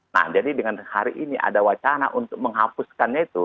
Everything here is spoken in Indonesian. nah jadi dengan hari ini ada wacana untuk menghapuskannya itu